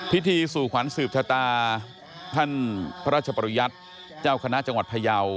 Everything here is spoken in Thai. พิธีสู่ขวัญสืบชะตาท่านพระราชปริยัติเจ้าคณะจังหวัดพยาว